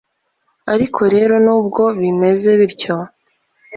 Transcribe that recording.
Ariko rero nubgo bimeze bityo